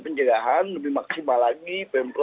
penjagaan lebih maksimal lagi